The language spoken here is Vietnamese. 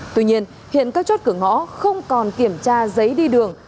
tuy nhiên hiện các chốt cửa ngõ không còn kiểm tra giấy đi đường